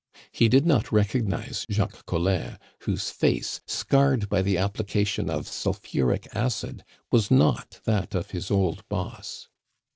He did not recognize Jacques Collin, whose face, scarred by the application of sulphuric acid, was not that of his old boss.